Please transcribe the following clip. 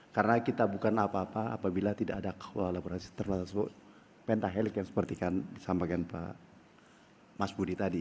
karena kita bukan apa apa apabila tidak ada kualitas terhadap pentahelik yang seperti yang disampaikan pak mas budi tadi